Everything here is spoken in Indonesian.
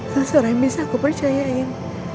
seseorang yang bisa aku percayain